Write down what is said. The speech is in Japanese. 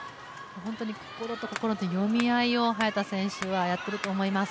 心と心の読み合いを早田選手はやっていると思います。